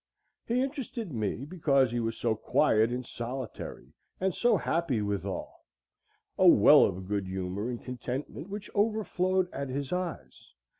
He interested me because he was so quiet and solitary and so happy withal; a well of good humor and contentment which overflowed at his eyes.